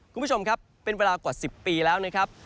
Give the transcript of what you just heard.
คุณผู้ชมครับเป็นเวลากว่า๑๐ปีแล้วนะครับ